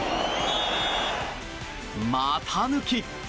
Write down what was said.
股抜き。